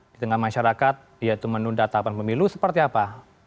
di tengah masyarakat yaitu menunda tahapan pemilu seperti apa